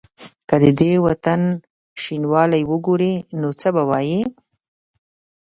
که د دې وطن شینوالی وګوري نو څه به وايي؟